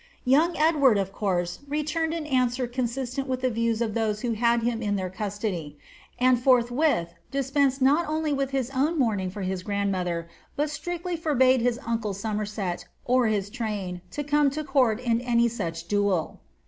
Young Exlward, of course, returned an answer con liftent with the views of those who had him in their custody, and forthwith dispensed not only with his own mourning for his grand mother, but strictly forbade his uncle Somerset, or his train, to come to coort in any such doole.